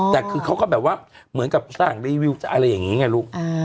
แต่คือเขาก็แบบว่าเหมือนกับสร้างรีวิวอะไรอย่างนี้ไงลูก